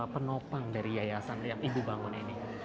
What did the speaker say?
penopang dari yayasan yang ibu bangun ini